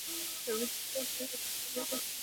ছবিটি প্রযোজনা ও পরিবেশনা করে মিউচুয়াল ফিল্ম।